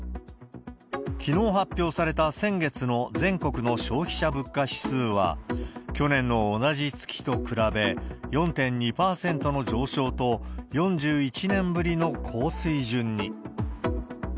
きのう発表された先月の全国の消費者物価指数は、去年の同じ月と比べ、４．２％の上昇と、４１年ぶりの高水準に。